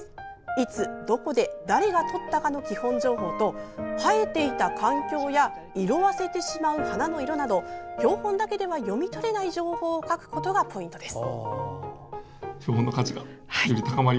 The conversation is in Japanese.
いつどこで誰がとったかの基本情報と生えていた環境や色あせてしまう花の色など標本だけでは読み取れない情報を書くことがポイントです。